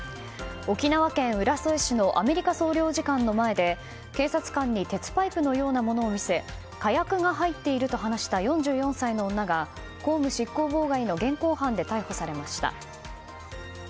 沖縄県浦添市のアメリカ総領事館の前で警察官に鉄パイプのようなものを見せ火薬が入っていると話した４４歳の女が公務執行妨害の現行犯で逮捕されました。